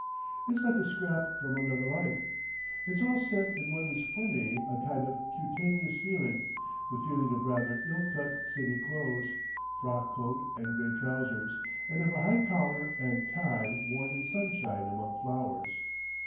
It's like a scrap from another life. It's all set in what is for me a kind of cutaneous feeling, the feeling of rather ill cut city clothes, frock coat and grey trousers, and of a high collar and tie worn in sunshine among flowers.